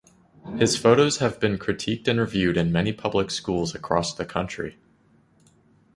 His photos have been critiqued and viewed in many public schools across the country.